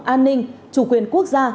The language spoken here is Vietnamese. an ninh chủ quyền quốc gia